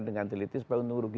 dengan teliti supaya untung rugi